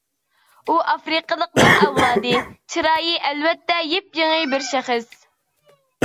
ئۇ ئافرىقىلىقنىڭ ئەۋلادى، چىرايى ئەلۋەتتە يېپيېڭى بىر شەخس.